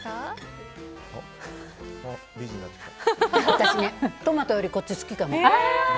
私ね、トマトよりこっちが好きかも。